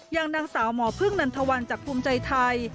อย่างนางสาวหมอพึ่งนันทวันจากภูมิใจไทย